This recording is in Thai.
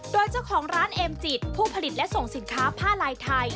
โดยเจ้าของร้านเอมจิตผู้ผลิตและส่งสินค้าผ้าลายไทย